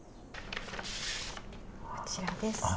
こちらです。